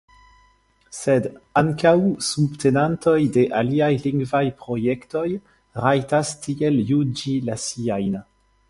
Sed ankaŭ subtenantoj de aliaj lingvaj projektoj rajtas tiel juĝi la siajn.